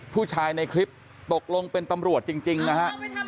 ในคลิปตกลงเป็นตำรวจจริงนะฮะ